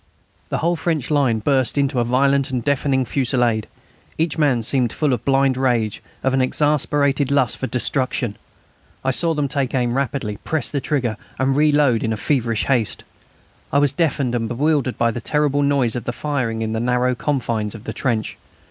The whole French line burst into a violent and deafening fusillade. Each man seemed full of blind rage, of an exasperated lust for destruction. I saw them take aim rapidly, press the trigger, and reload in feverish haste. I was deafened and bewildered by the terrible noise of the firing in the narrow confines of the trench.